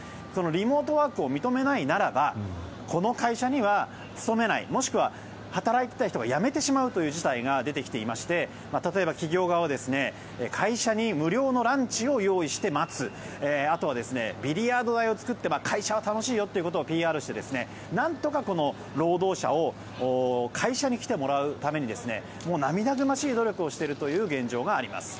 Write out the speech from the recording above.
リモートワークを認めないならばこの会社には勤めないもしくは働いていた人が辞めてしまうという事態が出てきていまして例えば、企業側は会社に無料のランチを用意して待つあとはビリヤード台を作って会社は楽しいよということをＰＲして、なんとか労働者に会社に来てもらうために涙ぐましい努力をしているという現状があります。